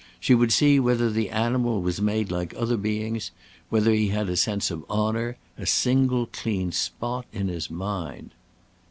She would see whether the animal was made like other beings; whether he had a sense of honour; a single clean spot in his mind.